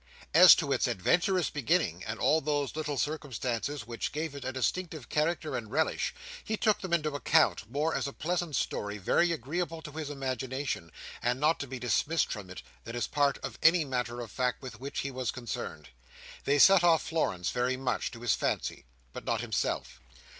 As to its adventurous beginning, and all those little circumstances which gave it a distinctive character and relish, he took them into account, more as a pleasant story very agreeable to his imagination, and not to be dismissed from it, than as a part of any matter of fact with which he was concerned. They set off Florence very much, to his fancy; but not himself.